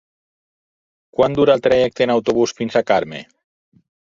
Quant dura el trajecte en autobús fins a Carme?